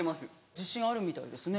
自信あるみたいですね。